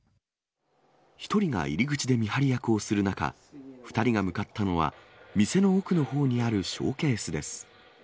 １人が入り口で見張り役をする中、２人が向かったのは、店の奥のほうにあるショーケースです。